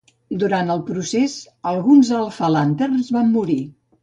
Durant el procés, alguns Alpha Lanterns van morir.